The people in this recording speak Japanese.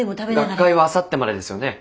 学会はあさってまでですよね？